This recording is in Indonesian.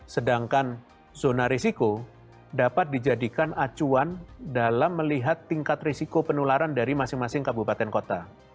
sedangkan zona risiko dapat dikawal dan juga dikawal oleh masyarakat